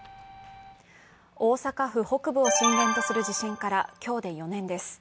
大阪府北部を震源とする地震から今日で４年です。